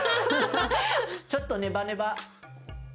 ちょっとネバネバ。